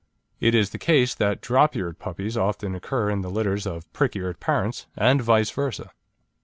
It is the case that drop eared puppies often occur in the litters of prick eared parents, and vice versa.